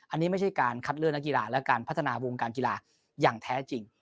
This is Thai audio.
อันนี้ไม่ใช่การคัดเลือกนักกีฬาและการพัฒนาวงการกีฬาอย่างแท้จริง